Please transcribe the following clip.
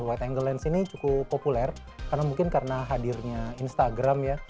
wide angelance ini cukup populer karena mungkin karena hadirnya instagram ya